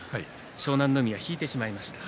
湘南乃海が引いてしまいました。